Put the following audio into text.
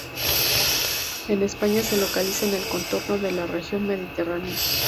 En España se localiza en el contorno de la región mediterránea.